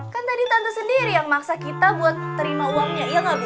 kan tadi tante sendiri yang maksa kita buat terima uangnya iya nggak bisa